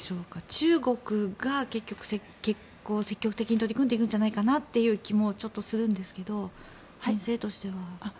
中国が結局、積極的に取り込んでいくんじゃないかという気がするんですが先生としては。